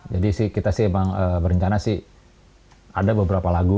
jadi sih kita sih emang berencana sih ada beberapa lagu